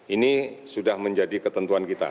ini sudah menjadi ketentuan kita